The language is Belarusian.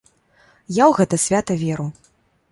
Я ў гэта свята веру.